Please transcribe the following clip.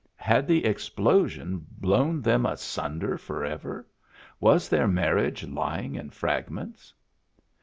Had the explosion blown them asunder forever ? Was their marriage lying in fragments?